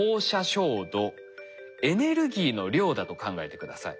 エネルギーの量だと考えて下さい。